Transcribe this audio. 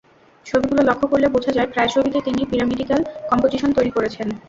ছবিগুলো লক্ষ করলে বোঝা যায়, প্রায় ছবিতে তিনি পিরামিডিক্যাল কম্পোজিশন তৈরি করেছেন।